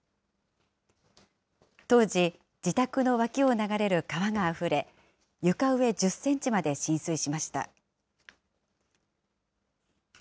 当時、自宅の脇を流れる川があふれ、床上１０センチまで浸水しました。